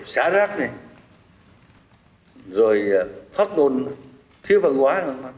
xả rác này rồi thoát ngôn thiếu văn hóa